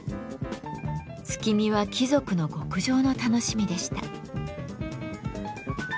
月見は貴族の極上の楽しみでした。